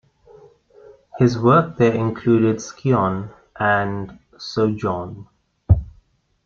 His work there included "Scion" and "Sojourn".